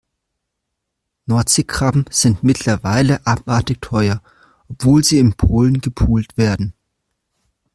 Nordseekrabben sind mittlerweile abartig teuer, obwohl sie in Polen gepult werden.